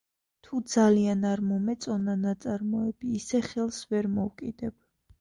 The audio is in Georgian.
თუ ძალიან არ მომეწონა ნაწარმოები, ისე ხელს ვერ მოვკიდებ.